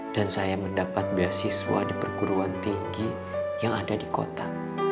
dan saya mendapat beasiswa di perguruan tinggi yang ada di kota